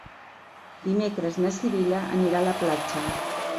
Dimecres na Sibil·la anirà a la platja.